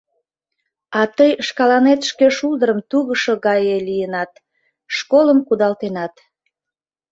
А тый шкаланет шке шулдырым тугышо гае лийынат, школым кудалтенат...